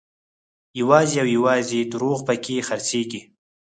یوازې او یوازې درواغ په کې خرڅېږي.